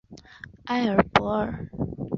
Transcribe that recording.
埃尔博尔。